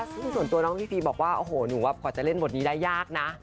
ซึ่งส่วนตัวน้องพีพีบอกว่าโอ้โหหนูว่ากว่าจะเล่นบทนี้ได้ยากนะ